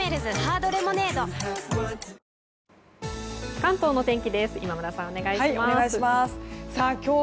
関東のお天気です。